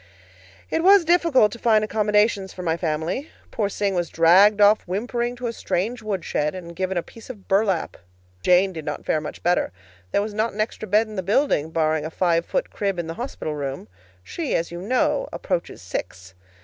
It was difficult to find accommodations for my family. Poor Sing was dragged off whimpering to a strange woodshed, and given a piece of burlap. Jane did not fare much better. There was not an extra bed in the building, barring a five foot crib in the hospital room. She, as you know, approaches six.